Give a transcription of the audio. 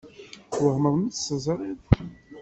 Twehmeḍ mi tt-teẓṛiḍ?